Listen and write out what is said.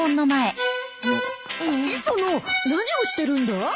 磯野何をしてるんだ？